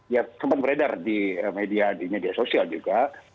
ya sempat beredar di media sosial juga